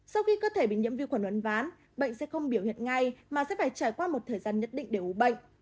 sau khi cơ thể bị nhiễm vi khuẩn uốn ván bệnh sẽ không biểu hiện ngay mà sẽ phải trải qua một thời gian nhất định để ủ bệnh